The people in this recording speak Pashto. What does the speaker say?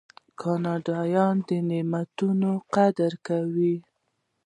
کاناډایان د دې نعمتونو قدر کوي.